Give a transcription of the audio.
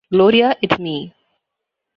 Gloria, it's me!